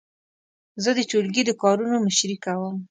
زه د ټولګي د کارونو مشري کوم.